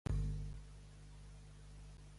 Qui és Isabel Bonig?